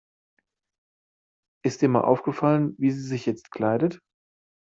Ist dir mal aufgefallen, wie sie sich jetzt kleidet?